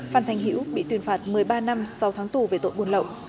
phan thành hữu bị tuyên phạt một mươi ba năm sau tháng tù về tội buôn lậu